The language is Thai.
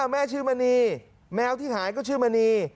แม่ชื่อมณีแมวที่หายก็ชื่อมณี